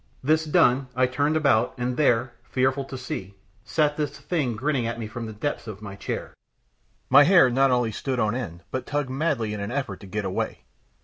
This done, I turned about, and there, fearful to see, sat this thing grinning at me from the depths of my chair. My hair not only stood on end, but tugged madly in an effort to get away.